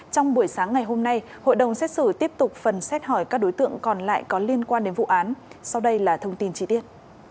trong buổi sáng ngày hôm nay hội đồng xét xử tiếp tục phần xét hỏi các đối tượng còn lại có liên quan đến vụ án sau đây là thông tin chi tiết